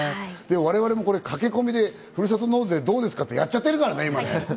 我々も、これ駆け込みでふるさと納税どうですか？ってやっちゃってるからね、今。